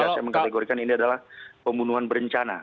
saya mengkategorikan ini adalah pembunuhan berencana